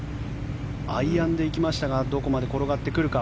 アイアンで行きましたがどこまで転がってくるか。